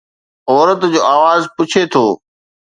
عورت جو آواز پڇي ٿو